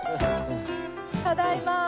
ただいま。